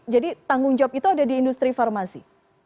jadi tanggung jawab itu ada di industri farmasi